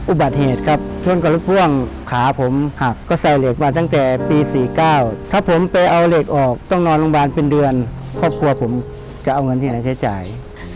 อุบัติเหตุครับชนกับรถพ่วงขาผมหักก็ใส่เหล็กมาตั้งแต่ปี๔๙ถ้าผมไปเอาเหล็กออกต้องนอนโรงพยาบาลเป็นเดือนครอบครัวผมจะเอาเงินที่ไหนใช้จ่าย